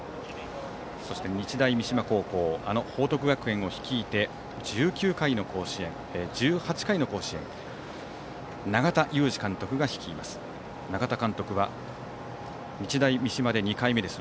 そして日大三島高校あの報徳学園を率いて１８回の甲子園永田裕治監督が率います。